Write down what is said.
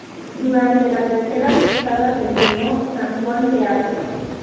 Durante la Tercera Cruzada se llamó San Juan de Acre.